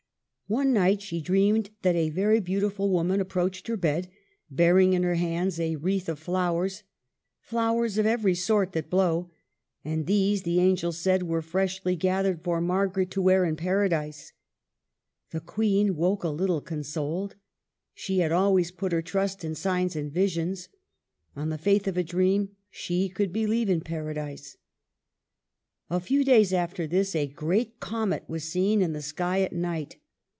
One night she dreamed that a very beautiful woman approached her bed, bearing in her hands a wreath of flowers, — flowers of every sort that blow, — and these, the angel said, were freshly gathered for Margaret to wear in Para dise. The Queen woke a little consoled." She had always put her trust in signs and visions. On the faith of a dream she could believe in Paradise. A few days after this a great comet was seen in the sky at night.